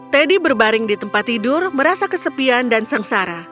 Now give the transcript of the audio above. teddy berbaring di tempat tidur merasa kesepian dan sengsara